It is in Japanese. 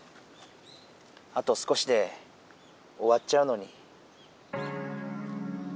あと少しでおわっちゃうのに。